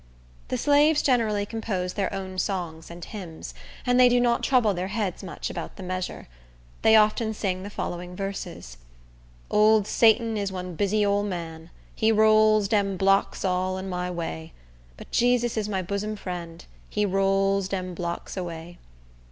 The slaves generally compose their own songs and hymns; and they do not trouble their heads much about the measure. They often sing the following verses: Old Satan is one busy ole man; He rolls dem blocks all in my way; But Jesus is my bosom friend; He rolls dem blocks away.